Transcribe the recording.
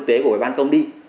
thực tế của cái ban công đi